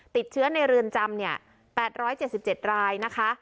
ติดเชื้อในเรือนจำ๘๗๗รายนะคะ